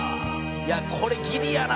「いやこれギリやな」